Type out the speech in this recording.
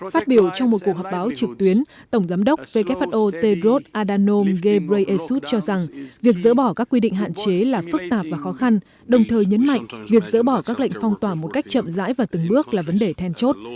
phát biểu trong một cuộc họp báo trực tuyến tổng giám đốc who tedros adanom ghebreyesus cho rằng việc dỡ bỏ các quy định hạn chế là phức tạp và khó khăn đồng thời nhấn mạnh việc dỡ bỏ các lệnh phong tỏa một cách chậm dãi và từng bước là vấn đề then chốt